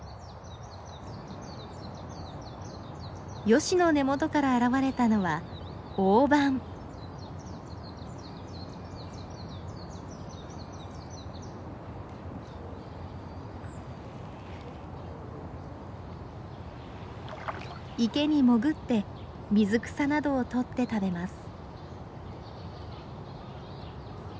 ヨシの根元から現れたのは池に潜って水草などをとって食べます。